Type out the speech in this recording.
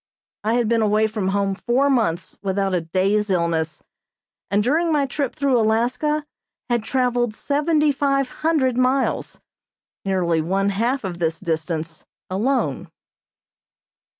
I had been away from home four months without a day's illness, and during my trip through Alaska had traveled seventy five hundred miles, nearly one half of this distance alone.